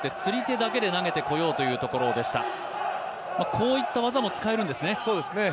こういった技も使えるんですね。